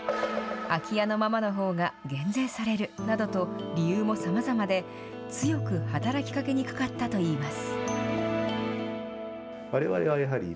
空き家のままの方が減税されるなどと理由もさまざまで強く働きかけにくかったと言います。